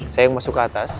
saya yang masuk ke atas